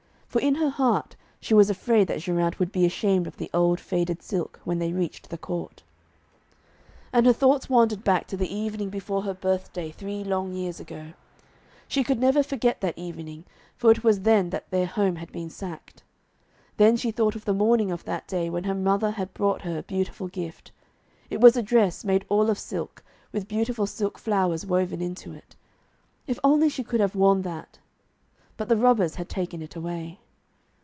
For in her heart she was afraid that Geraint would be ashamed of the old faded silk, when they reached the court. And her thoughts wandered back to the evening before her birthday, three long years ago. She could never forget that evening, for it was then that their home had been sacked. Then she thought of the morning of that day when her mother had brought her a beautiful gift. It was a dress, made all of silk, with beautiful silk flowers woven into it. If only she could have worn that, but the robbers had taken it away.